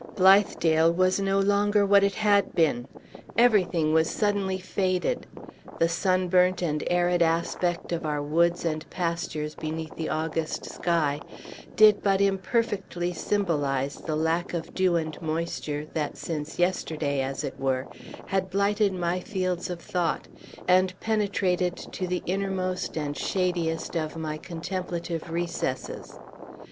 Blithedale was no longer what it had been. Everything was suddenly faded. The sunburnt and arid aspect of our woods and pastures, beneath the August sky, did but imperfectly symbolize the lack of dew and moisture, that, since yesterday, as it were, had blighted my fields of thought, and penetrated to the innermost and shadiest of my contemplative recesses.